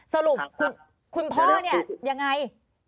สรุปคุณพ่อเนี่ยยังไง